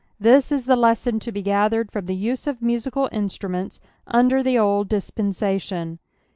This is the lesson to he gathered from the use of musical inatmments under the old dispensation.